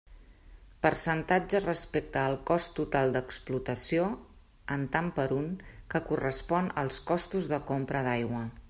Percentatge respecte al cost total d'explotació, en tant per un, que correspon als costos de compra d'aigua.